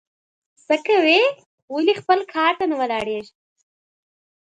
څه کوې ؟ ولي خپل کار ته نه ولاړېږې؟